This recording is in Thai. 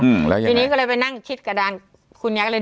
อืมแล้วยายทีนี้ก็เลยไปนั่งคิดกระดานคุณยายก็เลย